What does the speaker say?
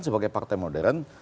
sebagai partai modern